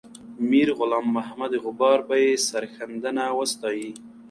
میرغلام محمد غبار به یې سرښندنه وستایي.